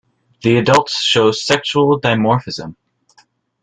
The adults show sexual dimorphism.